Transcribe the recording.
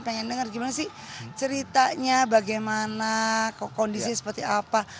pengen dengar gimana sih ceritanya bagaimana kondisi seperti apa